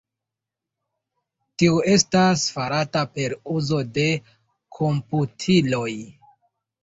Tio estas farata per uzo de komputiloj.